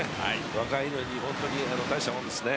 若いのに本当に大したもんですね。